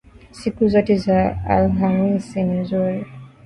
Siku zote za Alhamisi si nzuri